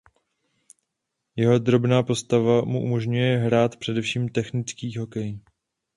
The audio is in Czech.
Jeho drobná postava mu umožňuje hrát především technický hokej.